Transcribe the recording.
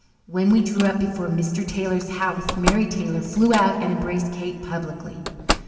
When we drew up before Mr. Taylor's house Mary Taylor flew out and embraced Kate publicly.